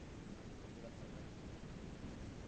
Je l’attraperai.